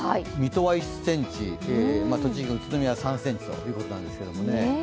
水戸は１ｃｍ、栃木県宇都宮は３ｃｍということなんですけどね。